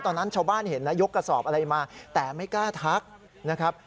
ตอนนั้นชาวบ้านเห็นนะยกกระสอบอะไรมาแต่ไม่กล้าทักนะครับ